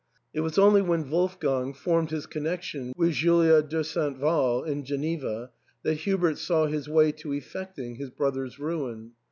It was only when Wolfgang formed his connection with Julia de St. Val in Geneva that Hubert saw his way to effecting his brother's ruin.